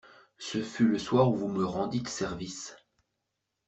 Ce fut le soir où vous me rendîtes service.